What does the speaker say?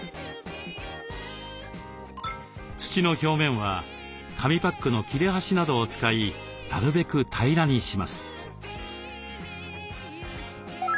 土の表面は紙パックの切れ端などを使いなるべく平らにします。